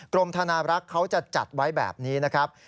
กรมธนารักษ์เขาจะจัดไว้แบบนี้นะครับ